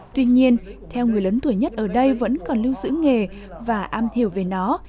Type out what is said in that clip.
tuy nhiên theo người lớn tuổi nhất ở đây vẫn còn lưu giữ nghề và am hiểu về nó